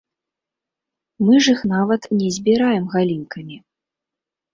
Мы ж іх нават не збіраем галінкамі.